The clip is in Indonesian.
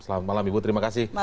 selamat malam ibu terima kasih